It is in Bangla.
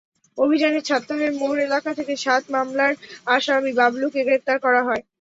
অভিযানে ছাত্তারের মোড় এলাকা থেকে সাত মামলার আসামি বাবলুকে গ্রেপ্তার করা হয়।